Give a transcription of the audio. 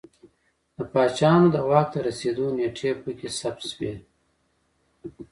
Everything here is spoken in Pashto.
د پاچاهانو د واک ته رسېدو نېټې په کې ثبت شوې